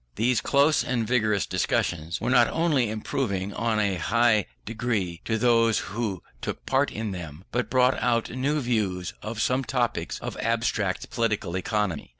These close and vigorous discussions were not only improving in a high degree to those who took part in them, but brought out new views of some topics of abstract Political Economy.